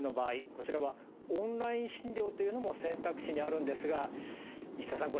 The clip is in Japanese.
こちらはオンライン診療というのも選択肢にあるんですが石田さん。